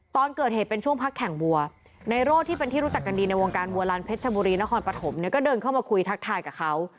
ตอนเกิดเหตุเป็นช่วงพักแข่งบัวในโรดที่เป็นที่รู้จักกันดีในวงการบัวลันเพชรชบุรีนครปฐมเนี่ยก็เดินเข้ามาคุยทักทายกับเขา